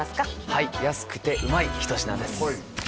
はい安くてうまい一品です